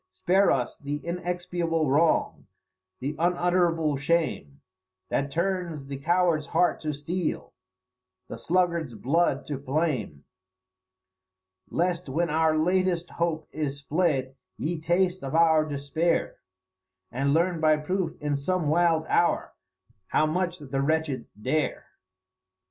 Spare us the inexpiable wrong, the unutterable shame, That turns the coward's heart to steel, the sluggard's blood to flame; Lest when our latest hope is fled ye taste of our despair, And learn by proof in some wild hour, how much the wretched dare."